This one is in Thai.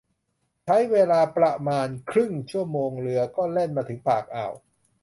ใช้เวลาประมาณครึ่งชั่วโมงเรือก็แล่นมาถึงปากอ่าว